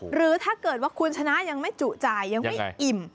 หรือถ้าเกิดว่าคุณชนะยังไม่จุจ่ายยังไม่อิ่ม